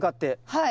はい。